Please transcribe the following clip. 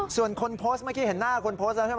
ส่วนคนโพสต์เมื่อกี้เห็นหน้าคนโพสต์แล้วใช่ไหม